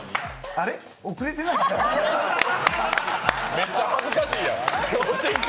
めっちゃ恥ずかしいやん。